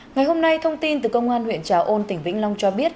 ngày hôm nay thông tin từ công an huyện trà ôn tỉnh vĩnh long cho biết